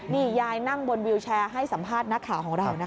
นี่ยายนั่งบนวิวแชร์ให้สัมภาษณ์นักข่าวของเรานะคะ